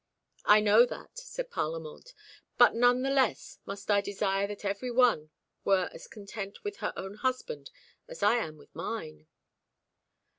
"I know that," said Parlamente, "but none the less must I desire that every one were as content with her own husband as I am with mine."